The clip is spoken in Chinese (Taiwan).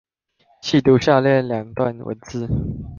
細讀下列兩段文字